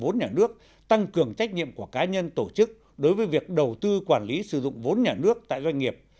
vốn nhà nước tăng cường trách nhiệm của cá nhân tổ chức đối với việc đầu tư quản lý sử dụng vốn nhà nước tại doanh nghiệp